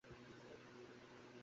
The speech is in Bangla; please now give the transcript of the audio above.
এমনি ঘুরতে এসেছি।